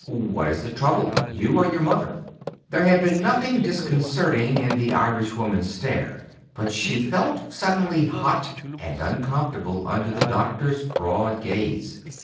"What is the trouble, you or your mother?" There had been nothing disconcerting in the Irish woman's stare; but she felt suddenly hot and uncomfortable under the doctor's broad gaze.